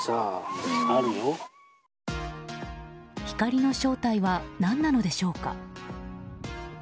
光の正体は何なのでしょうか。